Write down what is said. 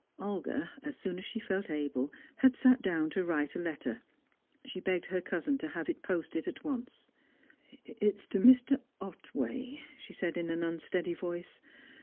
Olga, as soon as she felt able, had sat down to write a letter. She begged her cousin to have it posted at once. "It's to Mr. Otway," she said, in an unsteady voice.